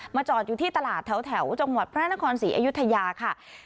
จอดอยู่ที่ตลาดแถวจังหวัดพระนครศรีอยุธยาค่ะ